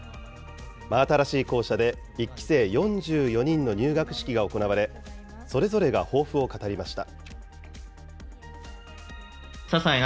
真新しい校舎で１期生４４人の入学式が行われ、それぞれが抱負を語りました。